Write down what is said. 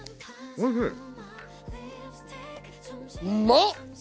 うまっ！